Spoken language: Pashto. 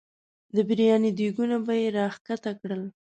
د بریاني دیګونه به یې را ښکته کړل.